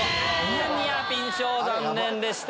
ニアピン賞残念でした。